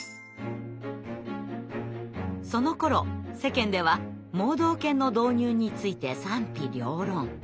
そのころ世間では盲導犬の導入について賛否両論。